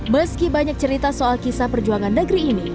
meski banyak cerita soal kisah perjuangan negeri ini